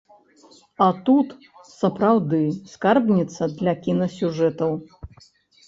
А тут, сапраўды, скарбніца для кінасюжэтаў.